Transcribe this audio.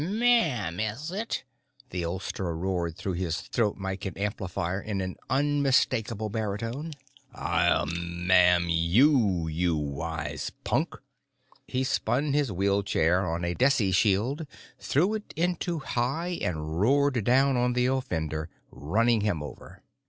"Ma'am, is it?" the oldster roared through his throat mike and amplifier in an unmistakable baritone. "I'll ma'am you, you wise punk!" He spun his wheelchair on a decishield, threw it into high and roared down on the offender, running him over.